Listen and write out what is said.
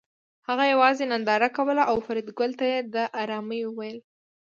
هغه یوازې ننداره کوله او فریدګل ته یې د ارامۍ وویل